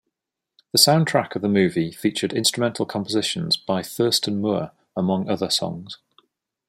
The soundtrack of the movie featured instrumental compositions by Thurston Moore among other songs.